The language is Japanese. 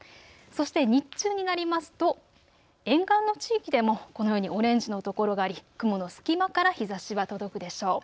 そして日中になりますと沿岸の地域でもこのようにオレンジの所があり雲の隙間から日ざしは届くでしょう。